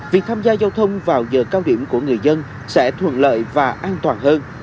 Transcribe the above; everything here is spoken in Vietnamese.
việc tham gia giao thông vào giờ cao điểm của người dân sẽ thuận lợi và an toàn hơn